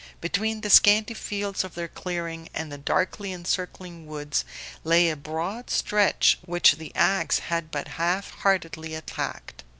Between the scanty fields of their clearing and the darkly encircling woods lay a broad stretch which the ax had but half heartedly attacked.